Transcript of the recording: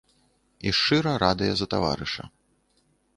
І шчыра радыя за таварыша.